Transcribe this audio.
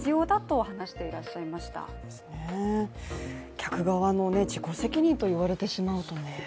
客側の自己責任と言われてしまうとね。